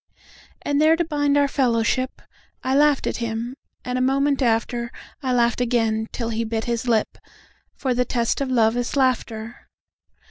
And there, to bind our fellowship,I laughed at him; and a moment after,I laughed again till he bit his lip, For the test of love is laughter.